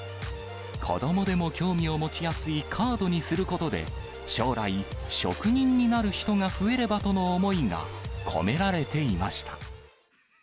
子どもでも興味を持ちやすいカードにすることで、将来、職人になる人が増えればとの思いが込められていました。